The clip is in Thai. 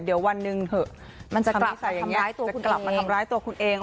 เดี๋ยววันหนึ่งเถอะมันจะกลับมาทำร้ายตัวคุณเอง